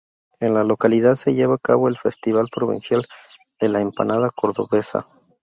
En la localidad se lleva a cabo el Festival Provincial de la Empanada Cordobesa.